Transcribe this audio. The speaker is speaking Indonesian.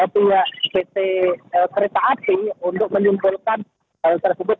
pihak pt kereta api untuk menyimpulkan tersebut